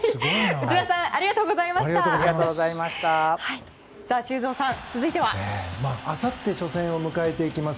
内田さんありがとうございました。